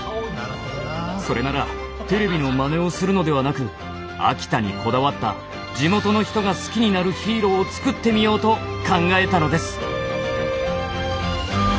それならテレビのマネをするのではなく秋田にこだわった地元の人が好きになるヒーローを作ってみようと考えたのです。